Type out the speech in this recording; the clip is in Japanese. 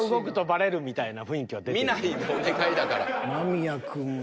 見ないでお願いだから。